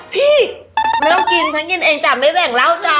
ไม่ต้องกินฉันกินเองจ้ะไม่แบ่งเหล้าจ้ะ